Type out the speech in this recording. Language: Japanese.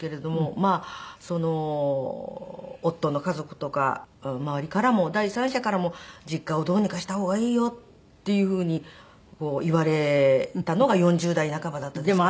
まあ夫の家族とか周りからも第三者からも実家をどうにかした方がいいよっていうふうに言われたのが４０代半ばだったですかね。